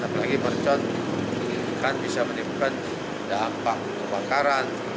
apalagi mercon kan bisa menimbulkan dampak kebakaran